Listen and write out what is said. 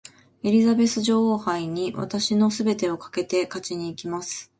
エリザベス女王杯に私の全てをかけて勝ちにいきます。